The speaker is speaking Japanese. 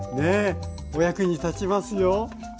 お役に立ちますよ。